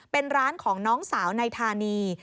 เป็นร้านของน้องสาวในธานี